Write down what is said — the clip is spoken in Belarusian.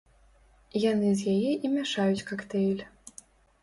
Яны з яе і мяшаюць кактэйль.